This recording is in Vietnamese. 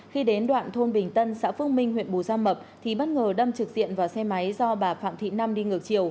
khi đến đoạn thôn bình tân xã phước minh huyện bù gia mập thì bất ngờ đâm trực diện vào xe máy do bà phạm thị năm đi ngược chiều